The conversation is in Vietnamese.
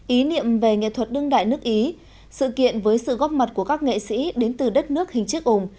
ý niệm về nghệ thuật đương đại nước ý sự kiện với sự góp mặt của các nghệ sĩ đến từ đất nước hình chức ủng